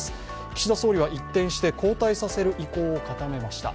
岸田総理は一転して交代させる意向を発表を固めました。